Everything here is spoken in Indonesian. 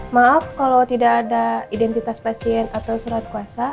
maaf kalau tidak ada identitas pasien atau surat kuasa